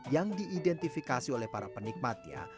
yang diidentifikasi oleh para penikmatnya